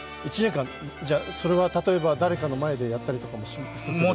それは例えば誰かの前でやったりとかしつつですか？